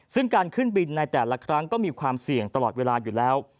ซึ่งการขึ้นบินในแต่ละครั้งก็มีความเสี่ยงตลอดเวลาอยู่แล้ว